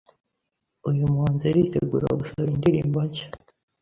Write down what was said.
Uyu muhanzi aritegura gusohora indirimbo nshya